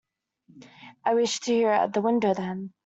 I wish to hear it at the window, then.